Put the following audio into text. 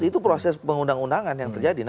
itu proses pengundang undangan yang terjadi